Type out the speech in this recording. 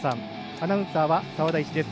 アナウンサーは沢田石です。